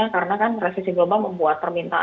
karena resesi global membuat terminologi